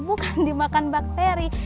bukan dimakan bakteri